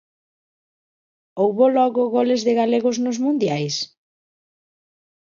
Houbo, logo, goles de galegos nos mundiais?